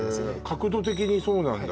角度的にそうなんだ